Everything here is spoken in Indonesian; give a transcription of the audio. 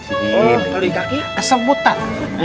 kalau di kaki kesem putar